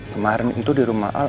kemarin itu di rumah